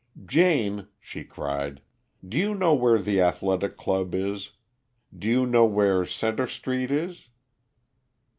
"Jane," she cried, "do you know where the Athletic Club is? Do you know where Centre Street is?"